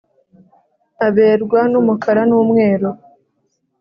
Aberwa numukara n’umweru